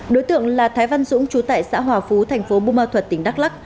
đối tượng là thái văn dũng chú tại xã hòa phú thành phố bù ma thuật tỉnh đắk lắc